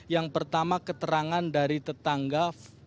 yang pertama keterangan dari tetangga